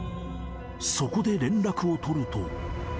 そこで連絡を取ると。